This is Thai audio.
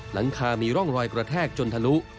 หลังคามีร่องรอยกระแทกจนทะลุ